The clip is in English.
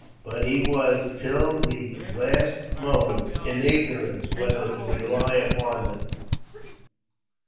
But he was, till the last moment, in ignorance whether to rely upon them.